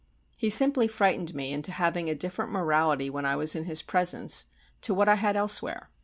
He simply frightened me into having a different morality when I was in his presence to what I had elsewhere.